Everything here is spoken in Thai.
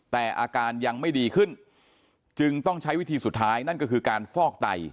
แต่อาการยังไม่ดีขึ้นจึงต้องใช้วิธีสุดท้ายนั่นก็คือการฟอกไต